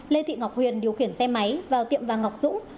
lê thị ngọc huyền điều khiển xe máy vào tiệm vàng ngọc dũng